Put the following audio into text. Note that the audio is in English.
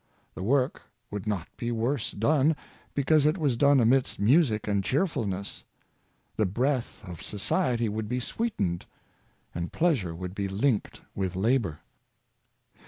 The work would not be worse done, because it was done amidst music and cheerfulness. The breath of society would be sweetened, and pleasure would be linked with labor.